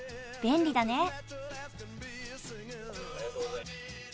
便利だね。